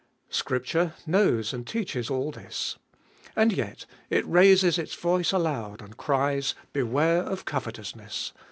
Scripture knows and teaches all this. And yet it raises its voice aloud and cries : Beware of covetousness.